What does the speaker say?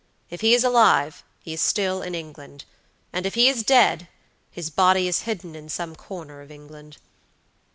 "If he is alive, he is still in England; and if he is dead, his body is hidden in some corner of England."